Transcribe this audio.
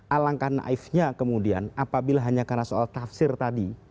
alangkah naifnya kemudian apabila hanya karena soal tafsir tadi